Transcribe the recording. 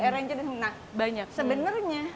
arranger nah sebenarnya